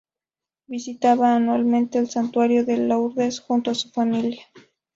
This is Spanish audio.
Visitaba anualmente el santuario de Lourdes junto a su familia.